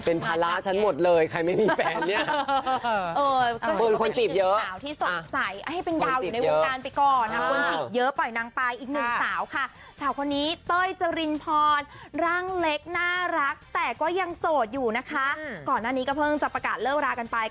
เป็นภาระฉันหมดเลยใครไม่มีแฟนเนี่ย